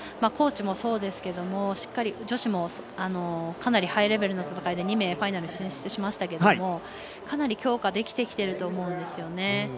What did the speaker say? コーチもそうですけども女子もかなりハイレベルな戦いで２名ファイナル進出しましたけどかなり強化できてきていると思うんですよね。